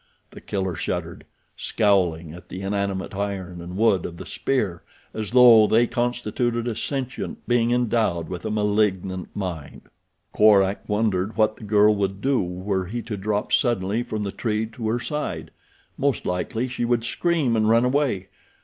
The Killer shuddered, scowling at the inanimate iron and wood of the spear as though they constituted a sentient being endowed with a malignant mind. Korak wondered what the girl would do were he to drop suddenly from the tree to her side. Most likely she would scream and run away.